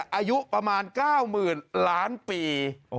อายุประมาณ๙๐๐๐ล้านปี